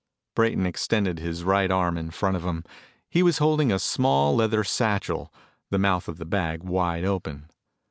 Brayton extended his right arm in front of him. He was holding a small leather satchel, the mouth of the bag wide open.